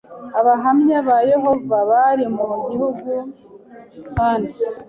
Abahamya ba Yehova bari mu bihugu kandi